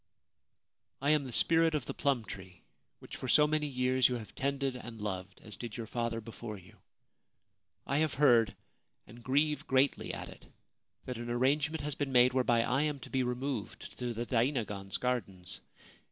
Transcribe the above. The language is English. * I am the Spirit of the Plum Tree, which for so many years you have tended and loved, as did your father before you. I have heard — and grieve greatly at it — that an arrangement has been made whereby I am to be removed to the dainagon's gardens.